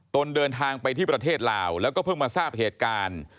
เดินทางไปที่ประเทศลาวแล้วก็เพิ่งมาทราบเหตุการณ์